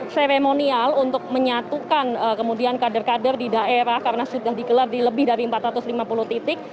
seremonial untuk menyatukan kemudian kader kader di daerah karena sudah dikelar di lebih dari empat ratus lima puluh titik